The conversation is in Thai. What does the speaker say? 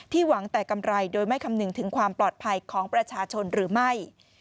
หวังแต่กำไรโดยไม่คำนึงถึงความปลอดภัยของประชาชนหรือไม่